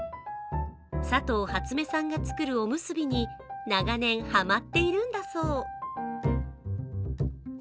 佐藤初女さんが作るおむすびに長年、ハマっているんだそう。